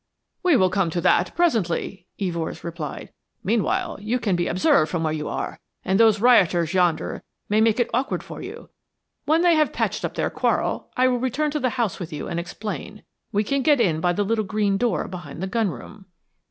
"We will come to that presently," Evors replied. "Meanwhile, you can be observed from where you are, and those rioters yonder may make it awkward for you. When they have patched up their quarrel, I will return to the house with you and explain. We can get in by the little green door behind the gunroom."